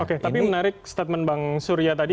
oke tapi menarik statement bang surya tadi